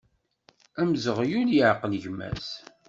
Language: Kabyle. Amzeɣyul yeɛqel gma-s.